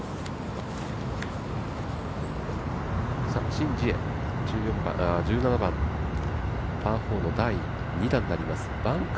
シン・ジエ、１７番パー４の第２打になります。